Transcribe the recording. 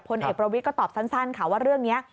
พลเอกประวิทย์ก็ตอบสั้นค่ะว่าเรื่องนี้